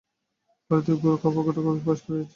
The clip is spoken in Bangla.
ভারতে ঘোর কপটতা প্রবেশ করিয়াছে।